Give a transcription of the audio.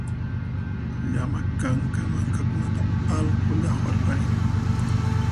Llama kanka mankakunata allqu llaqwarparin